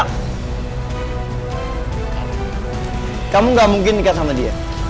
kamu gak mungkin niat sama dia